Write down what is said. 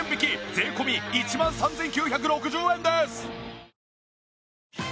税込１万３９６０円です。